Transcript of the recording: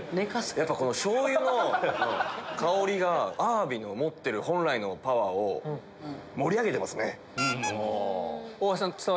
やっぱこの醤油の香りがアワビの持ってる本来のパワーを盛り上げてますね。